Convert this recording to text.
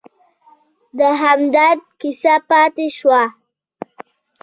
د همدرد کیسه پاتې شوه.